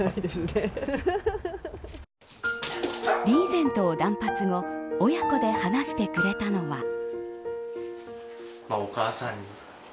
リーゼントを断髪後親子で話してくれたのは。